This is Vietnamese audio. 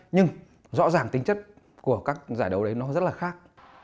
nhưng rõ ràng tính chất của các giải đấu đấy nó rất là khác